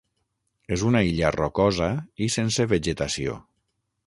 És una illa rocosa i sense vegetació.